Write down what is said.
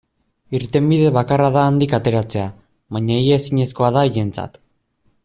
Irtenbide bakarra da handik ateratzea, baina ia ezinezkoa da haientzat.